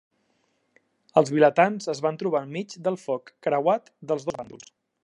Els vilatans es van trobar enmig del foc creuat dels dos bàndols.